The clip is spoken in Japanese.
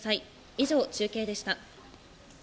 以上、中継でした。